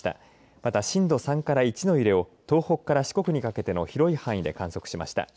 また震度３から１の揺れを東北から四国にかけて広い範囲で観測しました。